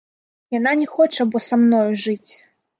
Яна не хоча бо са мною жыць!